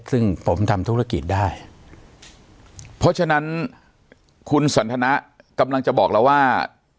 ซึ่งผมทำธุรกิจได้เพราะฉะนั้นคุณสันทนะกำลังจะบอกเราว่า